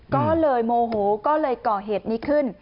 ก็เลยโมโหก็เลยก่อเหตุนี้ขึ้น